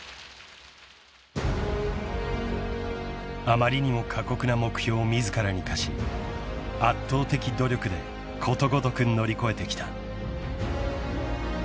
［あまりにも過酷な目標を自らに課し圧倒的努力でことごとく乗り越えてきた］